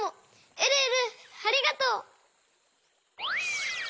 えるえるありがとう！